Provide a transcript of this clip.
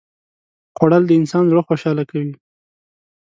خوړل د انسان زړه خوشاله کوي